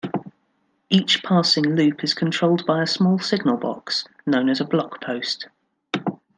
Each passing loop is controlled by a small signal box, known as a block-post.